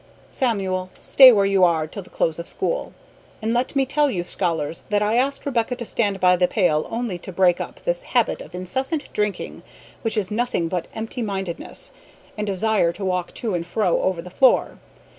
"Samuel, stay where you are till the close of school. And let me tell you, scholars, that I asked Rebecca to stand by the pail only to break up this habit of incessant drinking, which is nothing but empty mindedness and desire to walk to and fro over the floor.